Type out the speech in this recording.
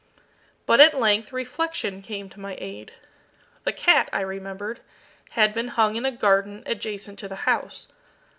But at length reflection came to my aid. The cat, I remembered, had been hung in a garden adjacent to the house.